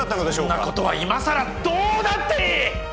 そんなことは今さらどうだっていい！